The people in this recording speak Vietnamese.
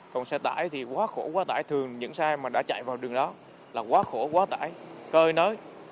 còn xe tải thì quá khổ quá tải thường những xe mà đã chạy vào đường đó là quá khổ quá tải cơi nới